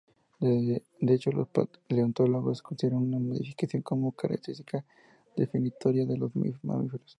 De hecho, los paleontólogos consideran esta modificación como característica definitoria de los mamíferos.